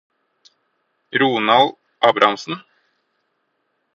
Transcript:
Ronald Abrahamsen